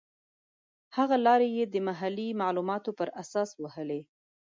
هغه لیارې یې د محلي معلوماتو پر اساس وهلې.